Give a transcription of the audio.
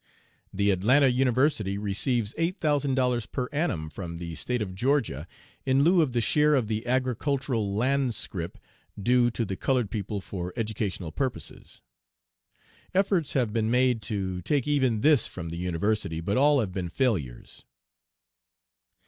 The Atlanta University receives $8000 per annum From the State of Georgia in lieu of the share of the agricultural land scrip due to the colored people for educational purposes. Efforts have been made to take even this from the university, but all have been failures.